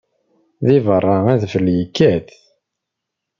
Deg beṛṛa, adfel yekkat.